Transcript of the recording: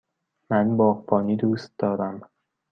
من باغبانی دوست دارم.